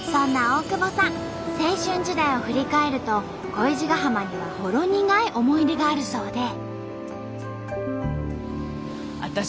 青春時代を振り返ると恋路ヶ浜にはほろ苦い思い出があるそうで。